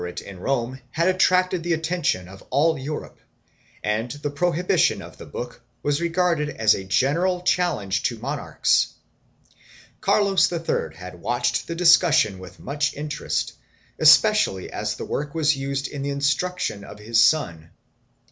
I] THE INQUISITOR GENERALSHIP 321 in Rome had attracted the attention of all Europe and the pro hibition of the book was regarded as a general challenge to monarchs. Carlos III had watched the discussion with much interest, especially as the work was used in the instruction of his son.